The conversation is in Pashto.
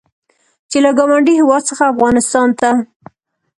چې له ګاونډي هېواد څخه افغانستان ته